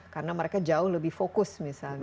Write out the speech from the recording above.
karena mereka jauh lebih fokus misalnya